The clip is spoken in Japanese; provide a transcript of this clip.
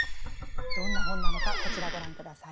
どんな本なのかこちらご覧下さい。